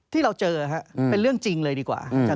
ที่เราเจอครับเป็นเรื่องจริงเลยดีกว่า